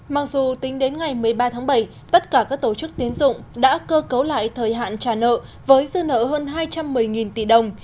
mặc dù tính đến ngày một mươi ba tháng bảy tất cả các tổ chức tiến dụng đã cơ cấu lại thời hạn trả nợ với dư nợ hơn hai trăm một mươi tỷ đồng